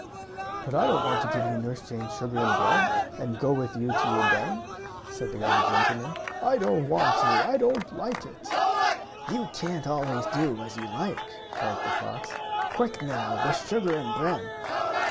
"But I don't want to give you Nurse Jane's sugar and bread, and go with you to your den," said the rabbit gentleman. "I don't want to! I don't like it!" "You can't always do as you like," barked the fox. "Quick now the sugar and bread!"